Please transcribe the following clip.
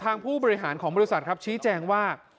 ผู้บริหารของบริษัทครับชี้แจงว่า